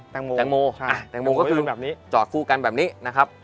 แตงโมแตงโมใช่แตงโมแตงโมก็คือแบบนี้จอดคู่กันแบบนี้นะครับ